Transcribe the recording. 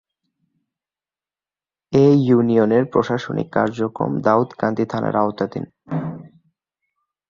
এ ইউনিয়নের প্রশাসনিক কার্যক্রম দাউদকান্দি থানার আওতাধীন।